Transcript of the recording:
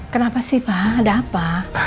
kenapa sih pak ada apa